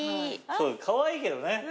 かわいいけどね。